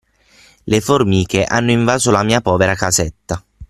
Le formiche hanno invaso la mia povera casetta.